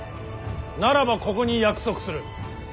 ならばここに約束する。